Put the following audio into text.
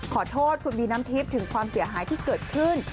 ขอโทษคุณบีน้ำทิพย์ถึงความเสียหายที่เกิดขึ้น